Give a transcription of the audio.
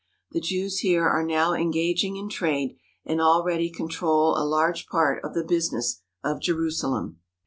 The Jews here are now engaging in trade, and already control a large part of the business of Jerusalem.